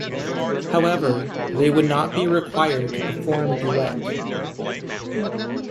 However, they would not be required to perform duet.